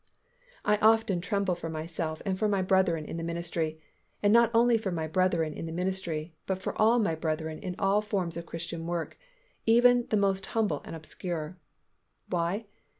I often tremble for myself and for my brethren in the ministry, and not only for my brethren in the ministry but for my brethren in all forms of Christian work, even the most humble and obscure. Why?